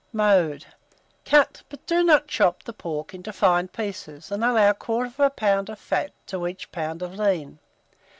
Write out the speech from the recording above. Mode. Cut, but do not chop, the pork into fine pieces, and allow 1/4 lb. of fat to each pound of lean.